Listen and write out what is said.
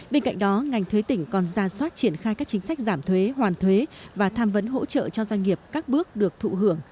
bên cạnh đó ngành thuế tỉnh còn ra soát triển khai các chính sách giảm thuế hoàn thuế và tham vấn hỗ trợ cho doanh nghiệp các bước được thụ hưởng